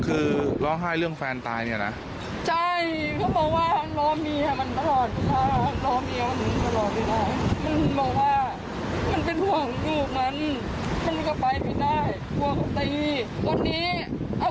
เอาเจ้าหายอบริการมา